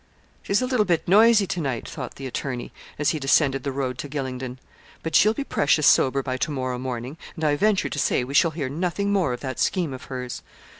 'She's a little bit noisy to night,' thought the attorney, as he descended the road to Gylingden; 'but she'll be precious sober by to morrow morning and I venture to say we shall hear nothing more of that scheme of hers.